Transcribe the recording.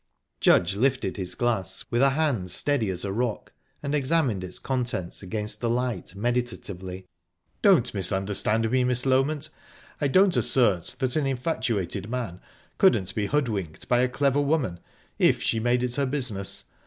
Judge lifted his glass with a hand steady as a rock, and examined its contents against the light meditatively. "Don't misunderstand me, Miss Loment. I don't assert that an infatuated man couldn't be hoodwinked by a clever woman, if she made it her business.